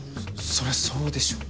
そりゃそうでしょ。